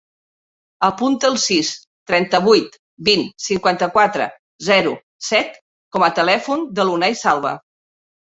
Apunta el sis, trenta-vuit, vint, cinquanta-quatre, zero, set com a telèfon de l'Unay Salva.